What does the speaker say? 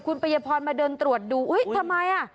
คุณปริยพรมาเดินตรวจดูอุ๊ยทำไมอ่ะ